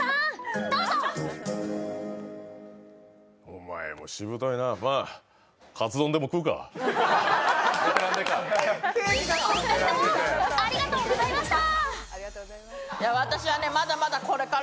お前もしぶといな、カツ丼でも食うか。